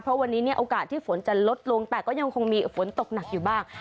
เพราะวันนี้เนี่ยโอกาสที่ฝนจะลดลงแต่ก็ยังคงมีฝนตกหนักอยู่บ้าง